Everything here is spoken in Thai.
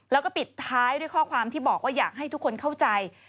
แล้วก็ปิดท้ายด้วยข้อความที่บอกว่าอยากให้ทุกคนเข้าใจ